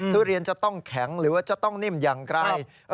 ทุเรียนจะต้องแข็งหรือว่าจะต้องนิ่มอย่างไร